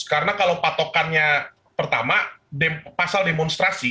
karena kalau patokannya pertama pasal demonstrasi